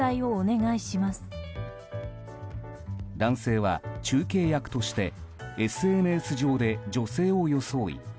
男性は中継役としてＳＮＳ上で女性を装い